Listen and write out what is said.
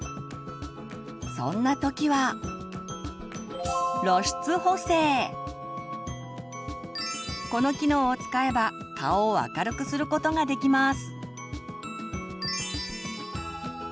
そんな時はこの機能を使えば顔を明るくすることができます。